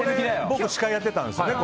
僕、司会やってたんですね